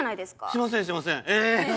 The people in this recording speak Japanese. しませんしませんえ何？